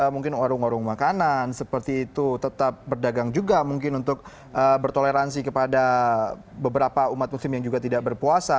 mungkin warung warung makanan seperti itu tetap berdagang juga mungkin untuk bertoleransi kepada beberapa umat muslim yang juga tidak berpuasa